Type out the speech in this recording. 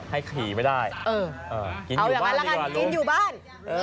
ให้ขี่ไม่ได้กินเอาอย่างนั้นละกันกินอยู่บ้าน